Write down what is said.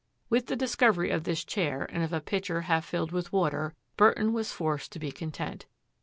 With the discovery of this chair and of a pitcher half filled with water, Burton was forced to be con tent.